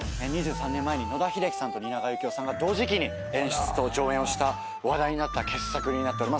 ２３年前に野田秀樹さんと蜷川幸雄さんが同時期に演出と上演をした話題になった傑作になっております。